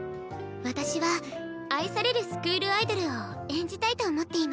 私は愛されるスクールアイドルを演じたいと思っています。